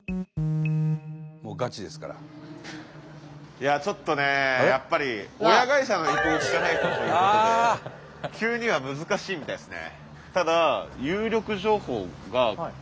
いやちょっとねやっぱり親会社の意向を聞かないとっていうことで急には難しいみたいですね。